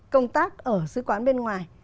công tác ở sứ quán bên ngoài